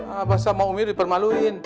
abah sama umi dipermaluin